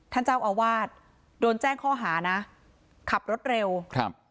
ท่านเจ้าอาวาสโดนแจ้งข้อหานะขับรถเร็วครับ